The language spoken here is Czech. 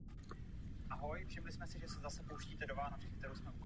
Podle soudu obvinění nebylo prokázáno.